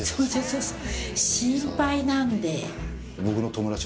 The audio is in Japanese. そうそう。